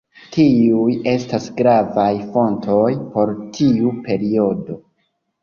Tiuj estas gravaj fontoj por tiu periodo.